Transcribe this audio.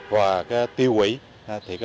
và tiêu hủy